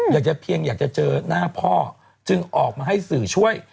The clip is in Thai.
อยากจะเพียงอยากจะเจอหน้าพ่อจึงออกมาให้สื่อช่วย